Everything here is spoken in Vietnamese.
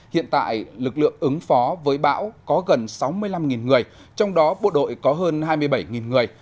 hiện tại lực lượng ứng phó với bão có gần sáu mươi năm người trong đó bộ đội có hơn hai mươi bảy người